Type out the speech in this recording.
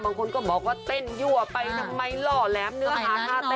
บางคนก็บอกว่าเต้นยั่วไปทำไมหล่อแหลมเนื้อหาท่าเต้น